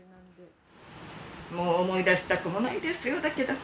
もう思い出したくもないですよだけど。